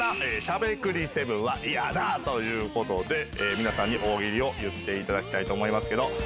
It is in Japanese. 皆さんに大喜利を言っていただきたいと思います。